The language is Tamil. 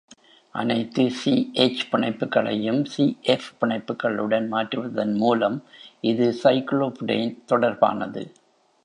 அனைத்து சி-எச் பிணைப்புகளையும் சி-எஃப் பிணைப்புகளுடன் மாற்றுவதன் மூலம் இது சைக்ளோபுடேன் தொடர்பானது.